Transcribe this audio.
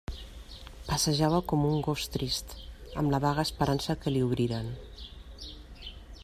Passejava com un gos trist, amb la vaga esperança que li obriren.